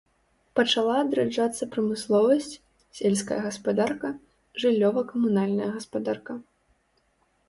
Пачала адраджацца прамысловасць, сельская гаспадарка, жыллёва-камунальная гаспадарка.